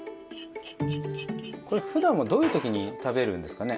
これふだんはどういう時に食べるんですかね？